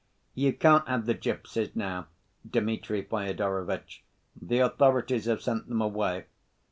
"You can't have the gypsies now, Dmitri Fyodorovitch. The authorities have sent them away.